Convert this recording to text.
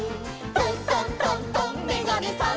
「トントントントンめがねさん」